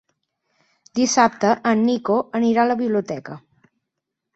Dissabte en Nico anirà a la biblioteca.